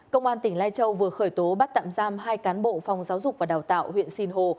công an tỉnh lai châu vừa khởi tố bắt tạm giam hai cán bộ phòng giáo dục và đào tạo huyện sinh hồ